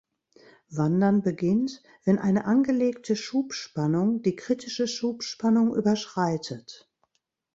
Wandern beginnt, wenn eine angelegte Schubspannung die kritische Schubspannung überschreitet.